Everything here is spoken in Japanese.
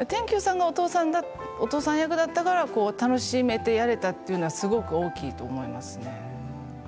転球さんがお父さん役だったから楽しめてやれたというのはすごく大きいと思いますね。